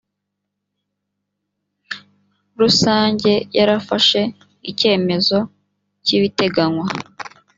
rusange yarafashe icyemezo kibiteganywa